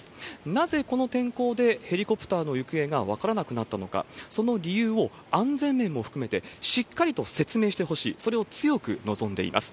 なぜこの天候でヘリコプターの行方が分からなくなったのか、その理由を、安全面も含めて、しっかりと説明してほしい、それを強く望んでいます。